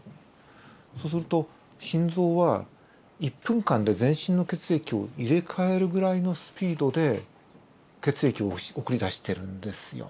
そうすると心臓は１分間で全身の血液を入れ替えるぐらいのスピードで血液を送り出してるんですよ。